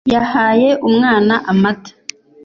yahaye umwana amata